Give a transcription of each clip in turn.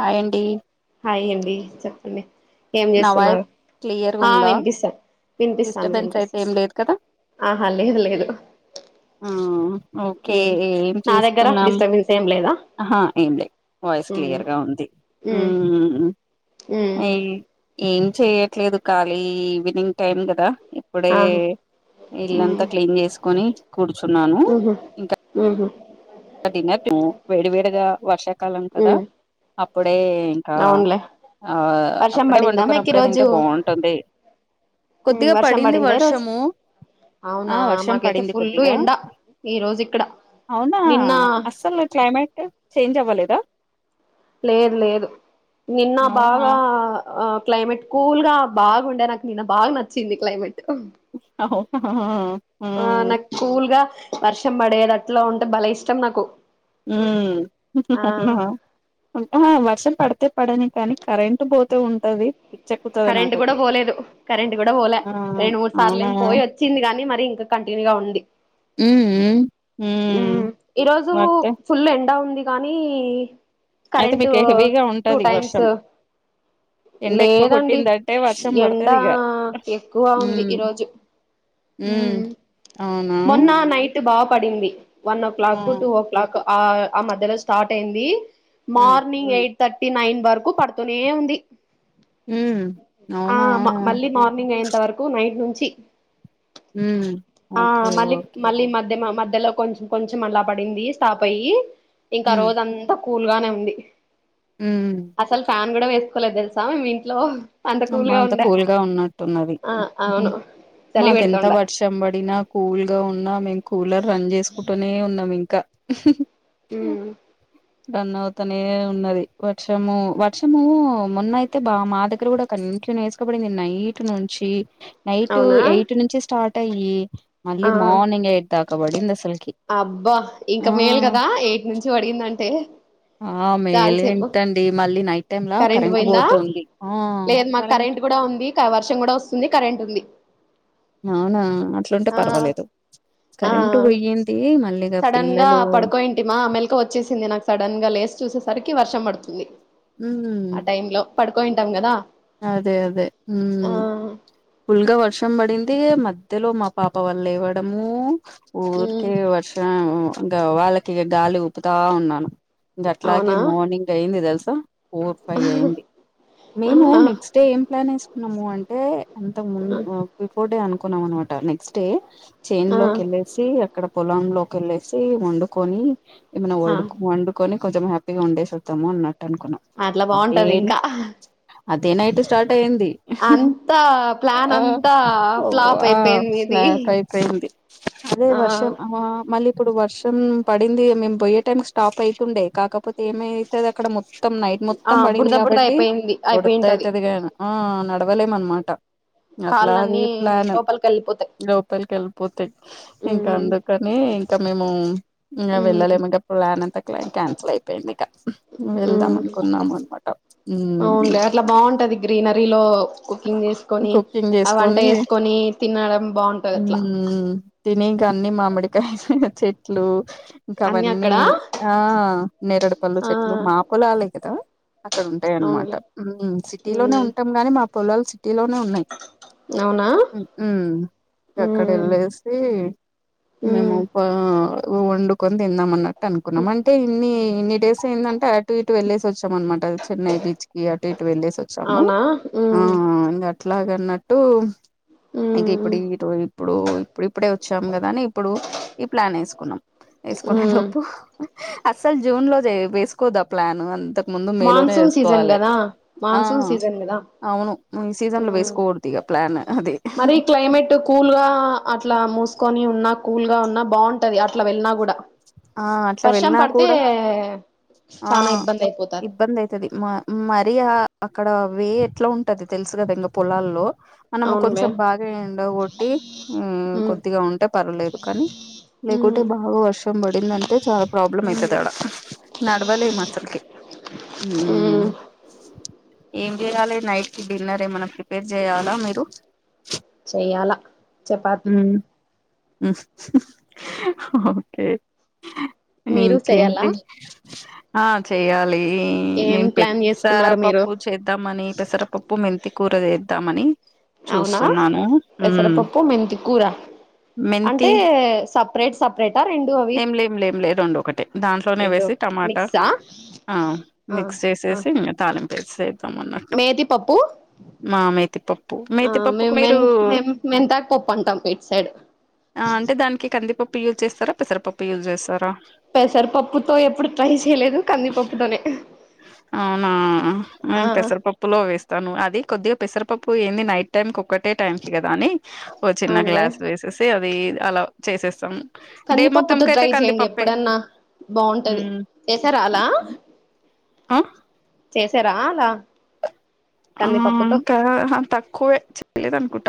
హయాండీ హయాండీ చెప్పండి ఏం నా వాయిస్ చేస్తున్నారు క్లియర్గా ఉందా వినిపిస్తాంది డిస్టర్బెన్స్ అయితే వినిపిస్తా ఏం లేదు కదా ఆహా లేదు లేదు ఆ ఓకే ఉమ్ ఏం నా దగ్గర చేస్తున్నాం డిస్టర్బెన్స్ ఏం లేదా ఆ ఏం లే వాయిస్ ఉమ్ క్లియర్గా ఉంది ఉమ్ ఉమ్ అయి ఏం చేయట్లేదు ఖాళీ ఈవినింగ్ టైం కదా ఇప్పుడే ఆహా ఉమ్ ఇల్లంతా క్లీన్ చేసుకొని కూర్చున్నాను ఉహు ఇంకా ఉహు దినకు వేడివేడిగా వర్షాకాలం కదా ఉమ్ అప్పుడు అప్పుడే ఇంకా అవునులే ఆ వర్షం అప్పుడే పడిందా మీకు వండుకున్నప్పుడే ఈరోజు తింటే బాగుంటుంది ఉమ్ కొద్దిగా వర్షం పడింది పడిందా ఈరోజు వర్షము అవునా ఆ వర్షం మాకైతే పడింది ఫుల్ కొద్దిగా ఎండ ఈ రోజు ఇక్కడ నిన్న అస్సలు క్లైమేట్ చేంజ్ అవ్వలేదా లేదు లేదు నిన్న అవునా బాగా ఆ క్లైమేట్ కూల్ గా బాగుండే నాకు నిన్న బాగా నచ్చింది క్లైమేట్ ఆ ఆ నాకు కూల్గా వర్షం పడేది అట్లా ఉంటే బలే ఇష్టం నాకు ఆ మ్మ్ ఆ పడితే పడని కానీ కరెంట్ పోతే ఉంటది పిచ్చెక్కుతది కరెంట్ కూడా నాకైతే పోలేదు కరెంట్ కూడా పోలే ఆ రెండు మూడు సార్లు అవునా ఏమి పోయి వచ్చింది గానీ మరి ఇంకా కంటిన్యూ గా ఉంది మ్ మ్ మ్ ఈరోోజు ఫుల్ ఎంండ ఉంది కానీ అయితే కరెంట్ మీకు హెవీగా టూ ఉంటది టైమ్స్ వర్షం ఎండ ఎక్కువ లేదండి కొట్టిందంటే వర్షం ఎండ పడతదిగ ఎక్కువ ఉంది హ్మ్ ఈరోజు మ్ హ్మ్ అవునా మొన్న నైట్ బాగా పడింది వన్ ఓ ఆ క్లాక్ టూ ఓ క్లాక్ ఆ ఆ మధ్యలో స్టార్ట్ అయింది హ్మ్ మార్నింగ్ ఎయిట్ థర్టీ నైన్ వరకు పడుతూనే ఉంది హ్మ్ ఆ అవునా మళ్ళీ మార్నింగ్ అయ్యేంత వరకు నైట్ నుంచి హ్మ్ ఆ ఓకే మళ్ళ ఓకే మళ్ళీ మధ్య మా మధ్య మధ్యలో కొంచెం కొంచెం అలా పడింది స్టాప్ అయ్యి ఇంకా రోజు అంతా కూల్గానే ఉంది మ్ అసలు ఫ్యాన్ కూడా వేసుకోలేదు తెలుసా మేము ఇంట్లో కూల్ అమ్మ గా అంత ఉండే కూల్గా ఉన్నట్టున్నవి ఆ అవును చలి మాకెంత పెడుతుండ వర్షం పడినా కూల్ గా ఉన్నా మేము కూలర్ రన్ చేసుకుంటూనే ఉన్నాం ఇంకా కా మ్ రన్ అవుతనే ఉన్నది వర్షము వర్షము మొన్న అయితే బా మా దగ్గర కూడా న్ంచె నేసుకబడింది నైట్ నుంచి నైట్ అవునా ఎయిట్ నుంచి స్టార్ట్ అయి మళ్ళీ ఆ మార్నింగ్ ఎయిట్ దాక బడింది అసలకి అబ్బా ఇంకా మేల్ కదా ఎయిట్ నుంచి పడిందంటే ఆ మేలే ఏంటండి మళ్ళీ నైట్ టైమ్లా కరెంట్ పోతుంది ఆ లేదు మాకు కరెంట్ కూడా ఉంది కా వర్షం కూడా వస్తుంది కరెంట్ ఉంది అవునా అట్లుంటే ఆ పర్వాలేదు ఆ కరెంట్ పోయ్యింది మళ్ళీ సడన్ గా పడుకో ఏంటిమా ఆ మెలకవ వచ్చేసింది నాకు సడన్ గా లేచి చూసేసరికి వర్షం పడుతుంది మ్ ఆ టైం లో పడుకోయింటాం కదా అదే అదే మ్ ఆ ఫుల్గా వర్షం పడింది మధ్యలో మా పాప వల్ల లేవ్వడము ఊరికి ఉమ్ వర్షం వాళ్ళకి గాలి ఊపుతా ఉన్నాను ఇంక అట్లాగే అవునా మార్నింగ్ అయింది తెలుసా ఫోర్ ఫైవ్ అయ్యంది మేము ఆ నెక్స్ట్ డే ఏం ప్లాన్ వేసుకున్నాము అంటే అంతకు ముందు బిఫోర్ డే అనుకున్నాం అనమాట నెక్స్ట్ డే చేను ఆ లోకి వెళ్ళసి అక్కడ పొలం లోకి వెళ్ళేసి వండుకొని ఏమనా ఆ వడు వండుకొని కొంచెం హ్యాపీగా ఉండేసి వద్దాము అన్నట్టు అనుకున్నాం అట్లా బాగుంటది అదేం ఇంకా అదే నైట్ స్టార్ట్ అయ్యింది అంతా ప్లాన్ ఆ అంతా ఓ ఫ్లాప్ ఆ అయిపోయింది ఇది షాక్ అయిపోయింది అదే ఆ వర్షం అ మ మళ్ళీ ఇప్పుడు వర్షం పడింది మేము పోయ్యే టైం స్టాప్ అయితుండే కాకపోతే ఏమైతే అది అక్కడ మొత్తం మొత్తం నైట్ ఆ మొత్తం పడింది బుడద బుడద కాబట్టి అయిపోయింది బుడద అయిపోయింటది అవుతుది కానీ ఆ నడవలేమనమాట అట్లాది కాళ్ళన్నీ ఈ ప్లాన్ లోపలికి వెళ్ళిపోతాయి లోపలికి వెళ్ళిపోతే ఇంకా ఉమ్ అందుకని ఇంకా మేము ఇంకా ఉమ్ వెళ్ళలేము ఇంకా ప్లాన్ అంతా క్యాన్సల్ అయిపోయింది ఇక వెళ్దాం మ్ అనుకున్నాము అనమాట అవునులే అట్లా బాగుంటది గ్రీనరీలో నెంచేసిన కుకింగ్ చేసుకొని తినడం బాగుంటది అట్లా ఉమ్ తినింక అన్ని మామిడి కాసైన చెట్లు అన్ని అక్కడ ఇంకవన్నీ ఆ నెరడుపళ్ళ ఆ చెట్లు మాపొలాలే గదా అక్కడుంటయి అన్నమాట అవునులే ఉమ్ సిటీలోనే ఉమ్ ఉంటాం గని మా పొలాలు సిటీలోనే ఉన్నయి అవునా ఉమ్ ఇగ ఉమ్ అక్కడెళ్ళేసి మేము ఉమ్ పా వండుకొని తిన్నామన్నట్ టనుకున్నాం అంటే ఇన్ని ఇన్ని డేస్ అయిందంటే అటు ఇటు వెళ్లేేసి వచ్చాం అన్నమాట, చెన్నై బీచ్ కి అటు ఇటు వెళ్ళేసి ఒచ్చాము అవునా ఆ ఉమ్ అట్లాగన్నట్టు ఇంక ఉమ్ ఇప్పుడిటు ఇప్పుడు ఇప్పుడిప్పుడే వస్ వచ్చాం గదా అని ఇప్పుడు ఈ ప్లాన్ ఏసుకున్నాం ఏసుకునే ఉమ్ లోపు అస్సలు జూన్ లో జే వేసుకోవద్దా ప్లాన్ అంత మన్సూన్ సీసన్ గదా ఆ మన్సూన్ సీసన్ గదా అవును ఈ సీజన్ లో వేసుకోకూడదు ఇక ప్లాన్ అది మరి క్లైమేట్ కూల్గా అట్లా మూసుకొని ఉన్నా కూల్ గా ఉన్నా బావుంటది అట్లా వెళ్ళిన గుడా ఆ అట్లా వర్షం వెళ్ళినా పడితే కూడా ఆ చానా ఇబ్బంది అయిపోతది ఇబ్బందయితది మ మరీ ఆ అక్కడ వే ఎట్లా ఉంటది తెలుసు గదా ఇంగ పొలాల్లో మనము అవునులే కొంచెం బాగా ఎండ గొట్టి ఉమ్ కొద్దిగ ఉంటే పర్లేేదు కనీ లేకుంటే ఉమ్ బాగ వర్షం పడిందంటే చాలా ప్రాబ్లం అయితది ఆడ నడవలేం అసల్కె ఉమ్ ఏం జేయాలె నైట్ కి డిన్నర్ ఏమన్న ప్రిప్ పేర్ చేయాల మీరు చెయ్యాల చపాతి ఓకే మీరు చెయ్యాలా ఇంకేంటి ఆ చెయ్యాలి ఏం నేను ప్లాన్ చేసుకున్నారు మీరు పెసరపప్పు చేద్దామని పెసరపప్పు మెంతి కూర చేద్దామని అవునా చూస్తున్నాను మ్ పెసరపప్పు మెంతి కూర మెంతి అంటే సప్ పరేట్ సెపరేటా రెండు అవి ఏం లేం లేం లే రెండు ఒకటె దాంట్లోనే రెండు వేసి టమాటా మిక్సా ఆ ఆ మిక్స్ ఆ చేసేసి ఇంగ తాలింపు మేతి పప్పు మా మేతిపప్పు ఆ మేతిపప్పుకు మేము మీరు మెన్ మేన్ మెంతాకు పప్పు అంటాం ఇట్ సైడ్ ఆ అంటే దానికి కందిపప్పు యూజ్ చేస్తరా పెసరపప్పు యూజ్ చేస్తరా పెసరపప్పుతో ఎప్పుడు ట్రై చేయలేదు, కందిపప్పుతోనే అవునా ఆ నేను పెసరపప్పులో వేస్తాను అది కొద్దిగ పెసరపప్పు ఏంది నైట్ టైం కు ఒక్కటే టైం కి గదా అని ఓ చిన్న అవునులే గ్లాస్ వేసేసి అది అలా చేసేస్తాం డే కందిపప్పుతో మొత్తంకైతే ట్రై చేయండి కందిపప్పే ఎప్పుడన్నా బాగుంటది చేసారా అలా ఆ చేసారా అలా ఆ కందిపప్పుతో ఇంకా తక్కువే చలిదు అనుకుంట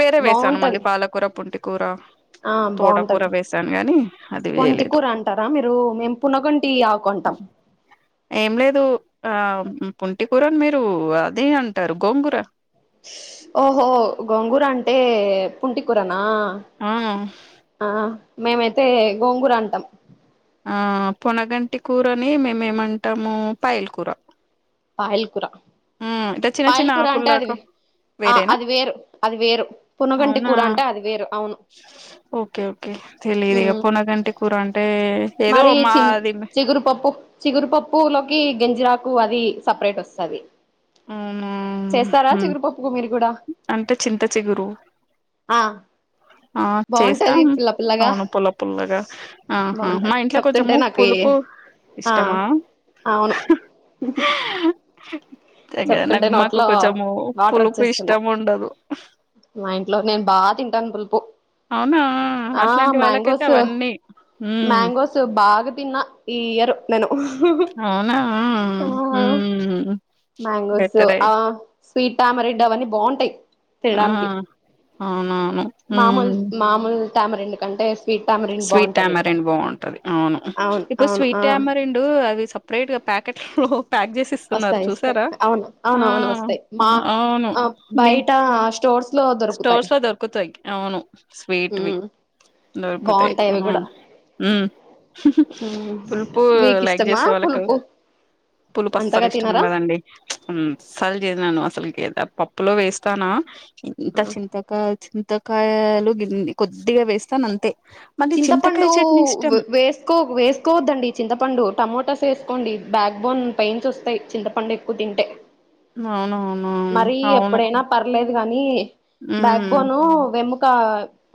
వేరే వేసాను మళ్ళీ బాగుంటది పాలకూర, పుంటి కూర, ఆ తోటకూర బాగుంటది వేసాను గని పొంటి కూర అంటరా మీరూ, మేము పునగంటి ఆకు అంటాం ఏం లేదు ఆ పుంటి కూరని మీరు అదే అంటరు గోంగూర ఓహో గోంగూర అంటే పుంటి కూర అన్ ఆ ఆ మేమైతే గోంగూర అంటాం ఆ పొనగంటి కూరని మేమేమంటము పయిల్ కూర పాయల్ కూర మ్ ఇట్లా చిన్న పాయల్ చిన్న కూర అంటే అది ఆకుల్లాగా ఆ వేరేనా అది వేరు అది వేరు పునగంటి అవునా కూర అంటే అది వేరు అవును ఓకే ఓకే తెలిదుగా మ్మ్ పొనగంటి కూర అంటే ఏదో మరి చి మాది చిగురుపప్పు చిగురుపప్పు లోకి గంజిరాకు అది సపరేట్ వస్తది అవునా చేస్తారా ఉ చిగురుపప్పుకు మీరు కూడా అంటే చింతచిగురు ఆ ఆ బాగుంటది చేస్తాం పిల్ల పిల్లగా అవును పుల్ల పుల్లగా ఆహా మా బాగుంటది ఇంట్లో చెప్తుంటే కొంచెము నాకు పులుపు పు ఆ ఇష్టమా అవును తెగ చెప్తుంటే మాకు నోట్లో కొంచెం వాటర్ పులుపు ఇష్టం వచ్చేస్తున్నాయి ఉండదు మా ఇంట్లో నేను బాగా తింటాను పులుపు అవునా ఆ అట్లాంటి వాళ్ళకైతే మ్యాంగోస్ అవన్నీ హ్మ్ మ్యాంగోస్ బాగా తిన్న ఈ ఇయర్ నేను అవునా ఆ హు మ్యాంగోస్ ఆ స్వీట్ అమిరిడ్ అవన్నీ బాగుంటాయి ఆ తినడానికి అవునా మామూలు మామూలు ట్యామిరిడ్ కంటే స్వీట్ టామరెండ్ స్వీట్ బాగుంటది ఇంకా ట్యామరిన్ బాగుంటది అవును ఇప్పుడు అవును స్వీట్ ఆ ట్యామరిండ్ అది సపరేట్ గా ప్యా ఓహో ప్యాక్ చేయ్ సిస్తున్నారు వస్తాయి వస్తాయి చూసారా అవును ఆ అవునవును వస్తాయి మా అవును ఆ మీ బయట స్టోర్స్ లో దొరుకుతాయి స్టోర్స్ లో దొరకుతాయి అవును స్వీట్ వి ఉమ్ దొరుకుతాయి బాగుంటాయి అవి హు కూడా ఉ ఉమ్ పులుపు మీకు లైక్ ఇష్టమా చేసే వాళ్ళకు పులుపు పులుపు అసలు అంతగా ఇష్టం తినరా ఉండదండి ఊ అసల్ తినను అసలకి ఏదా పప్పులో వేస్తానా ఇంత ఆ చింతకాయ చి త్తకాయలు గిన్నీ కొద్దిగా వేస్తాను అంతే మళ్ళీ చింతకాయ చింతపండు చట్నీ ఇష్టం వేసుకో వేసుకోవద్దండి చింతపండు టమోటాస్ వేసుకోండి బ్యాక్ బోన్ పెయిన్స్ వస్తాయి చింతపండు ఎక్కువ తింటే అవునవును మరి అవును ఎప్పుడైనా పర్లేదు గానీ బ్యాక్ ఉమ్ బోను వెముక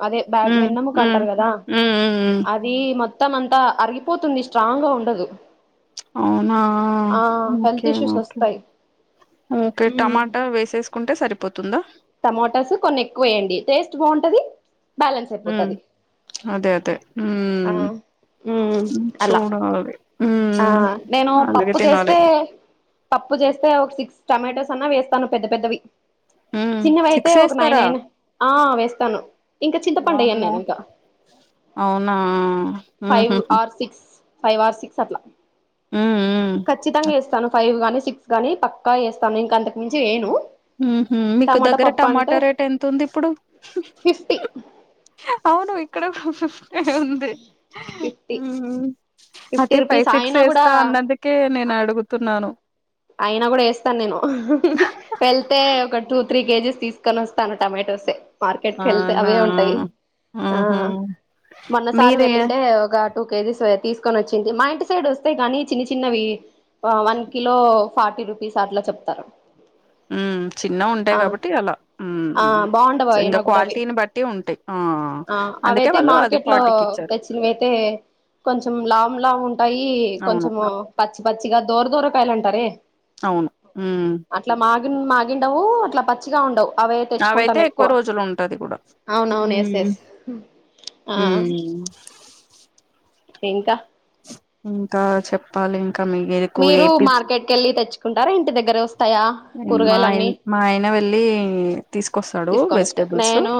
అదే బ్యాగ్ ఉమ్ వెన్నముక ఉమ్ అంటారు కదా ఉమ్ అది మొత్త మొత్తం అంతా అరిగిపోతుంది స్ట్రాంగ్ గా ఉండదు అవునా ఆ హెల్త్ ఓకే ఓకే ఓకే ఉ టమాటా వేసేసుకుంటే సరిపోతుందా టమోటాస్ కొన్ని ఎక్కువ వేయండి టేస్ట్ బాగుంటది బ్యాలెన్స్ ఉమ్ అయిపోతది అదే అదే ఊ ఆ ఉమ్ ఉ అలా చూడాలి హు ఆ నేను అలాగే పప్పు తినాలి చేస్తే పప్పు చేస్తే ఒక సిక్స్ టొమాటోస్ అన్నా వేస్తాను పెద్ద పెద్దవి ఉమ్ చిన్నవైతే సిక్స్ ఒక నైన వేస్తారా అయినా ఆ వేస్తాను ఇంకా చింతపండు ఎయ్యను వామ్మో నేను ఇంకా అవునా ఉహు five or six five or six అట్లా ఉమ్ ఉమ్ ఖచ్చితంగా వేస్తాను ఫైవ్ గాని సిక్స్ గాని పక్కా వేస్తాను ఇంకా అంతకు మించి వేయను ఉహు మీకు టమాటా దగ్గర పప్పు అంటే టమాటా రేట్ ఎంత ఉంది ఇప్పుడు ఫిఫ్టీ అవును ఇక్కడ ఫిఫ్టీ ఉంది ఫిఫ్టీ ఉ ఫిఫ్టీ అదే ఫైవ్ రూపీస్ సిక్స్ అయినా కూడా వేస్తా అన్నందుకే నేను అడుగుతున్నాను అయినా కూడా వేస్తాను నేను వెళ్ అయితే ఒక టూ త్రీ కేజీస్ తీసుకొని వస్తాను టొమాటోసే మార్కెట్కి వెళ్తే అవునా అవే ఉంటాయి ఆ ఉహు మొన్నసారి మీరే వెళ్ళింటే ఒక టూ కేజీస్ తీసుకొని వచ్చింది మా ఇంటి సైడ్ వస్తే కాని చిన్న చిన్నవి వన్ కిలో ఫార్టీ రూపీస్ అట్లా చెప్తారు [inaudible] హ్మ్ చిన్నవి ఉంటాయి ఆ కాబట్టి అలా ఆ బాగుండవు ఇంకా అయినా కూడా అవి క్వాలిటీని బట్టి ఉంటాయి ఆ ఆ అందుకే అవైతే వాళ్ళు అది మార్కెట్ లో ఫార్టీకి ఇచ్చారు తెచ్చినవియితే కొంచెం లామ్ లామ్ ఉంటాయి అవును కొంచెము పచ్చి పచ్చిగా దోర దోరకాయలు అంటారే అవును హ్మ్ అట్లా మాగి మాగిండవు అట్లా పచ్చిగా ఉండవు అవే అవైతే తెచ్చుకుంటాం ఎక్కువ రోజులు ఉంటది ఎక్కువ అవునవును ఎస్ హ్మ్ ఎస్ ఆ ఇంకా ఇంకా చెప్పాలి ఇంకా మీకు మీరు ఏపిస్ మార్కెట్ కి వెళ్ళి తెచ్చుకుంటారా ఇంటి దగ్గరే వస్త మాయ మా ఆయన వెళ్ళి తీసుకొస్తాడు తీసుకొని వస్తా వెజిటబుల్స్ నేను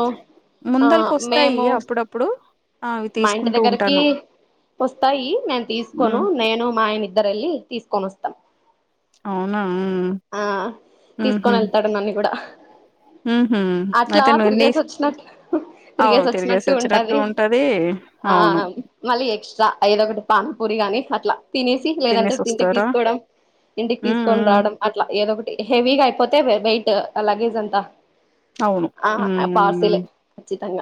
ఆ ముందలకు వస్తాయి మేము అప్పుడప్పుడు ఆ! అవి మా ఇంటి తీసుకుంటూ దగ్గరకి ఉంటాను వస్తాయి నేను తీసుకోను హ్మ్ నేను మా ఆయన ఇద్దర వెళ్ళి తీసుకొని వస్తా అవునా హ్మ్ ఆ తీసుకొని ఉహూ వెళ్తాడు నన్ని కూడా ఉహూ అట్లా అయితే నువ్వు నీ తిరిగేసి వచ్చినట్టు తిరిగేసి వచ్చినట్టు ఉంటది ఆ అవును మళ్ళీ ఎక్స్ట్రా ఏదోకటి పాన్ పూరి గాని అట్లా తినేసి లేదంటే తినేసి తిండికి వస్తారా తీసుకోవడం ఇంటికి హ్మ్ తీసుకొని హ్మ్ రావడం ఏదొకటి హెవిగా అయిపోతే వెయిట్ ఆ లగేజ్ అంతా అవును ఆ పార్సిలే ఖచ్చితంగ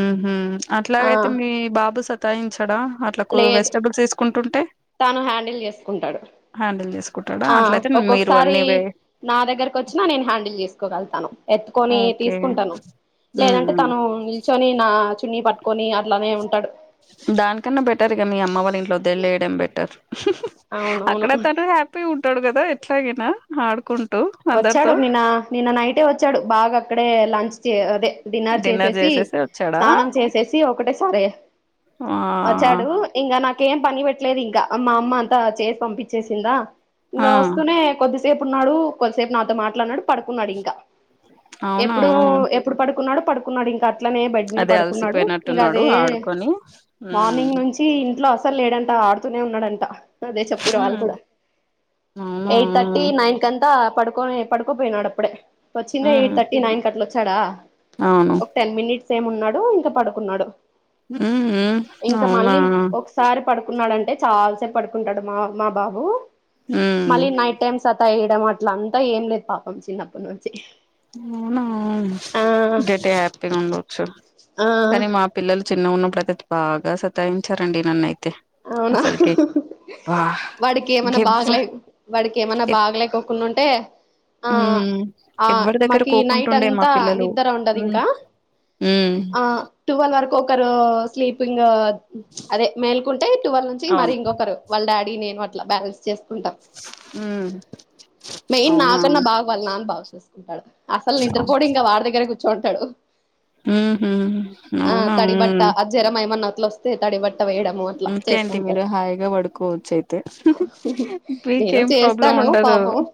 ఊహూ అట్లాగైతే మీ బాబు సతాయించడా అట్లా కూ వెజిటబుల్స్ వేసుకుం తను హ్యాండిల్ చేసుకుంటడు హ్యాండిల్ చేసుకుంటాడా ఆ అట్లయితే మీరు ఒక్కొక్కసారి అన్ని వే నా దగ్గరకు వచ్చినా నేను హ్యాండిల్ చేసుకోగలుగుతాను ఎత్తుకొని ఓకే తీసుకుంటాను ఉమ్ లేదంటే ఉమ్ తను నిల్చొని నా చున్నీ పట్టుకొని అట్లానే ఉంటాడు దానికన్నా బెటర్ ఇక మీ అమ్మ వాళ్ళ ఇంట్లో వదిలేయడం బెటర్ అవునవును అక్కడ తను హ్యాపీ ఉంటాడు కదా ఎట్లాగైనా ఆడుకుంటా వచ్చాడు నిన్న నిన్న నైటే వచ్చాడు బాగా అక్కడే లంచ్ చే అదే డిన్నర్ చేసేసి స్నానం చేసేసి ఒకటే సారే ఆ వచ్చాడు ఇంకా నాకు నాకేం పని పెట్టలేదు ఇంకా మా అమ్మ అంతా చేసి పంపించేసిందా ఆ ఇంకా వస్తూనే కొద్ది సేపు ఉన్నాడు కొద్దిసేపు నాతో మాట్లాడినాడు పడుకున్నాడు ఇంకా అవునా ఎప్పుడు హ్మ్. ఎప్పుడు పడుకున్నాడో పడుకున్నాడు ఇంకా ఇట్లనే బెడ్ మీద అదే పడుకున్నాడు ఇంకా అలసిపోయినట్టున్నాడు అదే ఆడుకొని ఉమ్ మార్నింగ్ నుంచి ఇంట్లో అస అసలు లేడంట ఆడుతూనే ఉన్నాడంట అదే చెప్పిరు వాళ్ళు ఉమ్ కూడా అవునా ఎయిట్ థర్టీ నైన్ కంతా పడుకోని పడుకోపోయినాడు అప్పుడే వచ్చిందే ఎయిట్ ఉమ్ థర్టీ నైన్ కట్లా వచ్చాడా అవును ఒక టెన్ మినిట్స్ ఏమో ఉన్నాడు ఇంకా పడుకున్నాడు ఉమ్ ఇంకా అవునా మళ్ళీ ఒకసారి పడుకున్నాడం అంటే చాలాసేపు పడుకుంటాడు మా మా బాబు ఉ సతాయిండం అట్ల అంతా ఏం లేదు పాపం చిన్నప్పటి నుంచి అవునా ఆ గ్రేట్ హ్యాపీగా ఉండవచ్చు కానీ ఆ మా పిల్లలు చిన్న ఉన్నప్పుడు అయితే బాగా సతాయించారండి నన్నయితే అవునా అసలుకి బా వాడికి ఏమన్నా బాగాలే ఇంకెవ్వరు వాడికి ఏమన్నా బాగలేకోకుండా ఉంటే ఆ ఉ ఆ మాకి నైట్ అంతా నిదర ఉండదు మ్మ్ ఇంకా మ్మ్ ఆ టువల్ వరకు ఒక్కరు స్లీపింగ్ అదే మేల్కుంటే టువెల్ నుంచి మరి అవును ఇంకొకరు వాళ్ళ డాడీ నేను బ్యాలన్ చేసుకుంట మ్మ్ మెయిన్ అవునా నాకన్నా బాగా వాళ్ల నాన్న బాగ చూస్తారు అసలు నిద్రపోడి ఇంకా వారి దగ్గర కూర్చుంటాడు మ్మ్ హ్మ్ ఆ అవునా తడి బట్ట మ్మ్ ఆ జరమయమన్నోట్లు వస్తే తడి బట్ట వేయడము అట్లా ఇంకేంటి మీరు చేస్తంటారు హాయిగా పడుకోవచ్చు అయితే నేను మీకేం ప్రాబ్లం చేస్తాను ఉండదు పాపం